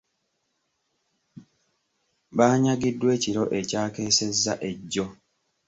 Baanyagiddwa ekiro ekyakeesezza ejjo.